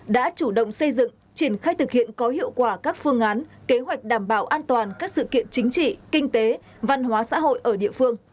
đã chủ động xây dựng triển khai thực hiện có hiệu quả các phương án kế hoạch đảm bảo an toàn các sự kiện chính trị kinh tế văn hóa xã hội ở địa phương